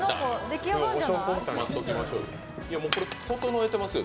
もうこれ調えてますよ。